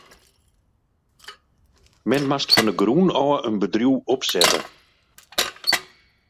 Men moast fan de grûn ôf in bedriuw opsette.